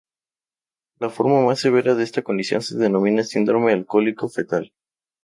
La forma más severa de esta condición se denomina síndrome alcohólico fetal.